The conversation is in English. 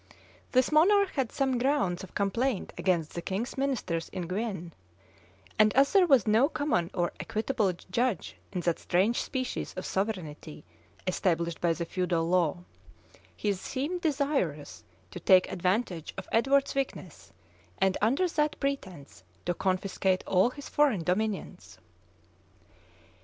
This monarch had some grounds of complaint against the king's ministers in Guienne; and as there was no common or equitable judge in that strange species of sovereignty established by the feudal law, he seemed desirous to take advantage of Edward's weakness, and under that pretence to confiscate all his foreign dominions.